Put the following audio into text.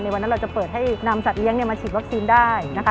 วันนั้นเราจะเปิดให้นำสัตว์เลี้ยงมาฉีดวัคซีนได้นะคะ